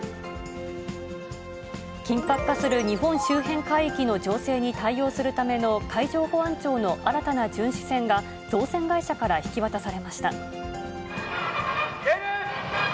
緊迫化する日本周辺海域の情勢に対応するための海上保安庁の新たな巡視船が造船会社から引き渡されました。